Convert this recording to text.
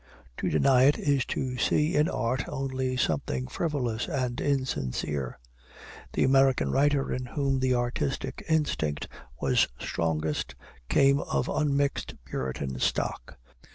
To deny it is to see in art only something frivolous and insincere. The American writer in whom the artistic instinct was strongest came of unmixed Puritan stock.